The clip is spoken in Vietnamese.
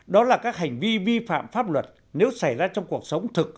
đó là các hành vi vi phạm pháp luật nếu xảy ra trong cuộc sống thực